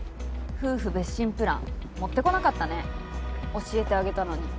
夫婦別寝プラン持ってこなかったね教えてあげたのに。